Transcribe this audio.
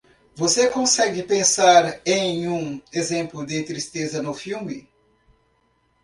Você consegue pensar em um exemplo de tristeza no filme?